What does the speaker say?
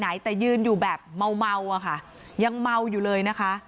ไม่ได้หนีไปไหนแต่ยืนอยู่แบบเมาค่ะยังเมาอยู่เลยนะคะ